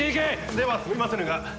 ではすみませぬが。